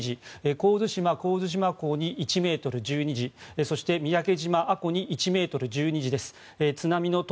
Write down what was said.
神津島神津島港に１ｍ、１２時そして宮古島阿古に１ｍ、１２時です。